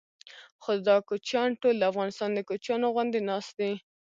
خو دا کوچیان ټول د افغانستان د کوچیانو غوندې ناست دي.